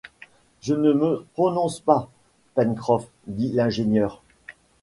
Je ne me prononce pas, Pencroff, dit l’ingénieur.